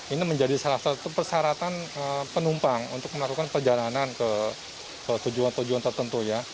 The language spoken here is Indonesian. ini menjadi salah satu persyaratan penumpang untuk melakukan perjalanan ke tujuan tujuan tertentu ya